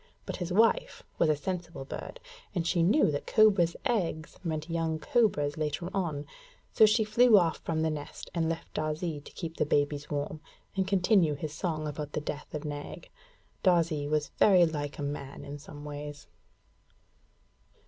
But his wife was a sensible bird, and she knew that cobra's eggs meant young cobras later on; so she flew off from the nest, and left Darzee to keep the babies warm, and continue his song about the death of Nag. Darzee was very like a man in some ways.